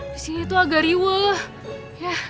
disini tuh agak riwuh